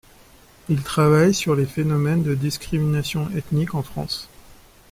Il travaille sur les phénomènes de discriminations ethniques en France.